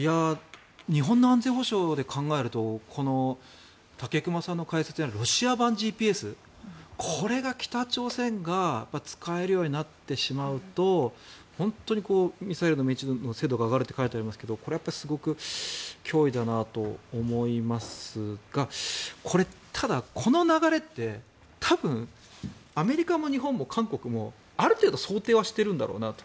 日本の安全保障で考えるとこの武隈さんの解説にあるロシア版ＧＰＳ、これを北朝鮮が使えるようになってしまうと本当にミサイルの命中の精度が上がるって書いてありますけどこれはすごく脅威だなと思いますがこれ、ただこの流れって多分、アメリカも日本も韓国もある程度想定はしているんだろうなと。